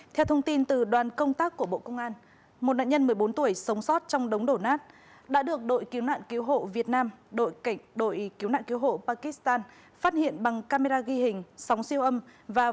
theo thông tin từ đoàn công tác của bộ công an một nạn nhân một mươi bốn tuổi sống sót trong đống đổ nát đã được đội cứu nạn cứu hộ việt nam đội cứu nạn cứu hộ pakistan phát hiện bằng camera ghi hình sóng siêu âm và phối hợp với các nạn nhân trong tòa nhà đổ sập